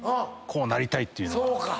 こうなりたいっていうのが。